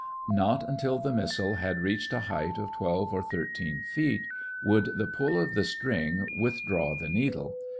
Not until the missile had reached a height of twelve or thirteen feet would the pull of the string withdraw the needle A.